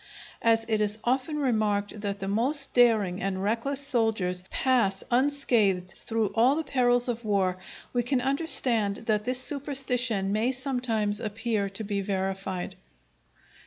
As it is often remarked that the most daring and reckless soldiers pass unscathed through all the perils of war, we can understand that this superstition may sometimes appear to be verified.